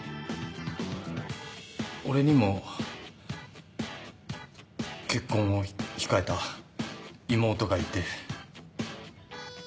俺にも結婚を控えた妹がいて。